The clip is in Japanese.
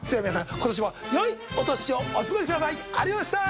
今年も良いお年をお過ごしください。